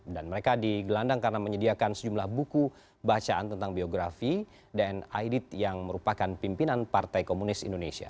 dan mereka digelandang karena menyediakan sejumlah buku bacaan tentang biografi dan aidit yang merupakan pimpinan partai komunis indonesia